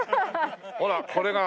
ほらこれが。